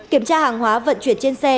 kiểm tra hàng hóa vận chuyển trên xe